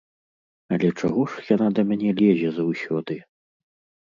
Але чаго ж яна да мяне лезе заўсёды?